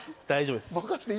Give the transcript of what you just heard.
大丈夫です。